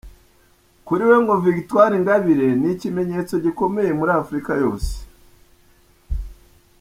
Kuri we ngo Victoire Ingabire ni ikimenyetso gikomeye muri Afrika yose.